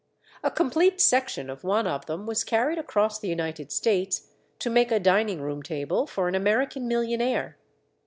A complete section of one of them was carried across the United States to make a dining room table for an American millionaire.